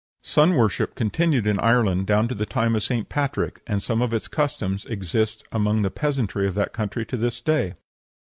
Sun worship continued in Ireland down to the time of St. Patrick, and some of its customs exist among the peasantry of that country to this day.